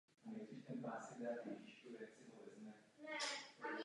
Na jevišti zpívá "Still Got Tonight".